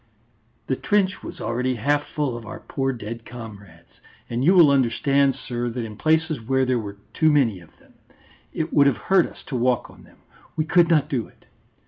"The trench was already half full of our poor dead comrades. And you will understand, sir, that in places where there were too many of them, it would have hurt us to walk on them; we could not do it.